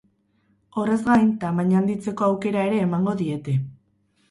Horrez gain, tamaina handitzeko aukera ere emango diete.